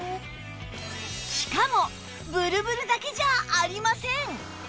しかもブルブルだけじゃありません！